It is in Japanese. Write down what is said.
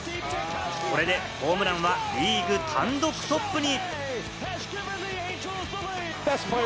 これでホームランはリーグ単独トップに。